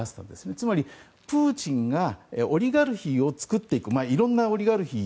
つまり、プーチンがオリガルヒを作っていくいろんなオリガルヒ